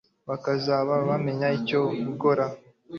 bakazaba bamenya icyogukora